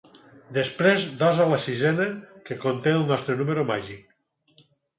Després dos a la sisena que conté el nostre número màgic.